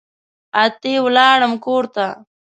اتي ولاړم کورته